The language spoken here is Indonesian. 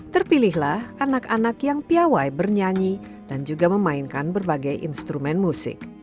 terpilihlah anak anak yang piawai bernyanyi dan juga memainkan berbagai instrumen musik